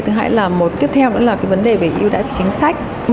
tiếp theo là vấn đề về ưu đãi chính sách